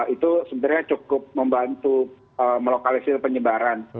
itu sebenarnya cukup membantu melokalisir penyebaran